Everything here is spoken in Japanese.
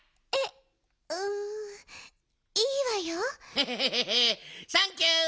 ヘヘヘヘヘヘサンキュー！